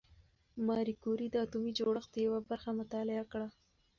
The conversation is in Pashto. ماري کوري د اتومي جوړښت یوه برخه مطالعه کړه.